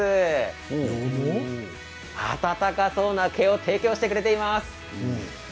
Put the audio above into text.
温かそうな毛を提供してくれています。